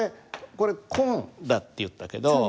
これ「こん」だって言ったけど。